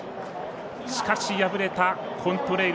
しかし敗れたコントレイル